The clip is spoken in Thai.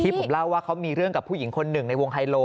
ผมเล่าว่าเขามีเรื่องกับผู้หญิงคนหนึ่งในวงไฮโล